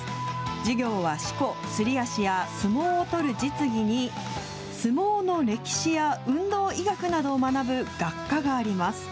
授業はしこ、すり足や相撲を取る実技に、相撲の歴史や運動医学などを学ぶ学科があります。